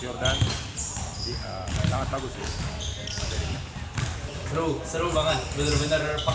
jadi saya sangat senang sekali karena latihannya menjadi seru banget